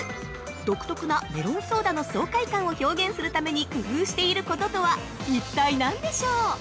独特なメロンソーダの爽快感を表現するために工夫していることとは一体何でしょう？